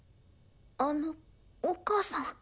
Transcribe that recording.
あのお母さん。